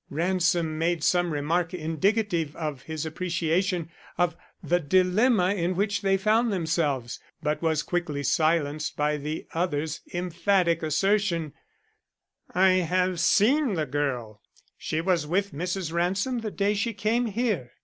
Ransom made some remark indicative of his appreciation of the dilemma in which they found themselves, but was quickly silenced by the other's emphatic assertion: "I have seen the girl; she was with Mrs. Ransom the day she came here.